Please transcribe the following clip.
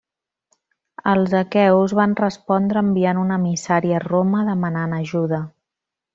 Els aqueus van respondre enviant un emissari a Roma demanant ajuda.